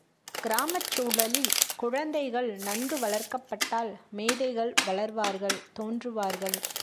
கிராமச் சூழலில் குழந்தைகள் நன்கு வளர்க்கப்பட்டால் மேதைகள் வளர்வார்கள் தோன்றுவார்கள்.